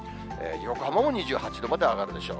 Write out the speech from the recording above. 横浜も２８度まで上がるでしょう。